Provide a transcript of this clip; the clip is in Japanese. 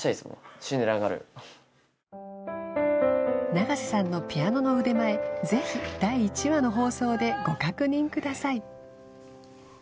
「シンデレラガール」永瀬さんのピアノの腕前ぜひ第１話の放送でご確認ください